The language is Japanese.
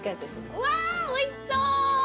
うわおいしそう！